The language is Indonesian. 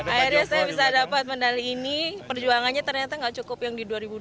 akhirnya saya bisa dapat medali ini perjuangannya ternyata gak cukup yang di dua ribu dua puluh